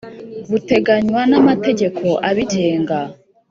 buteganywa n amategeko abigenga